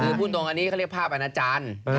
คือพูดตรงอันนี้เขาเรียกภาพอาณาจารย์